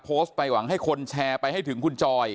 โพสต์ไปหวังให้คนแชร์ไปให้ถึงคุณจอย